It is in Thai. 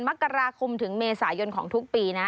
มกราคมถึงเมษายนของทุกปีนะ